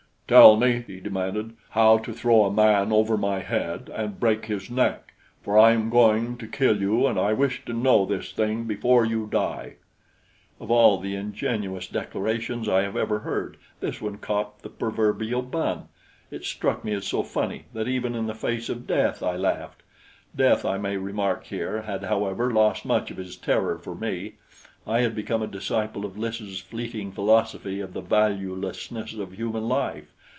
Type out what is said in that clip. "Tell me," he demanded, "how to throw a man over my head and break his neck, for I am going to kill you, and I wish to know this thing before you die." Of all the ingenuous declarations I have ever heard, this one copped the proverbial bun. It struck me as so funny that, even in the face of death, I laughed. Death, I may remark here, had, however, lost much of his terror for me. I had become a disciple of Lys' fleeting philosophy of the valuelessness of human life.